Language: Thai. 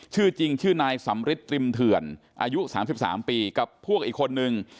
ชื่อจริงชื่อนายสำริทริมเถื่อนอายุ๓๓ปีกับพวกอีกคนนึง